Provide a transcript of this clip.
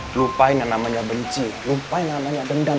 lupain yang namanya benci lupain yang namanya dendam